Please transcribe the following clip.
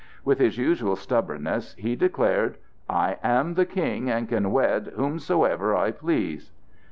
With his usual stubbornness, he declared: "I am the King, and can wed whomsoever I please."